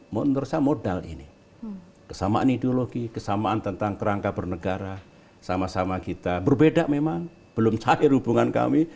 menurut saya modal ini kesamaan ideologi kesamaan tentang kerangka bernegara sama sama kita berbeda memang belum cair hubungan kami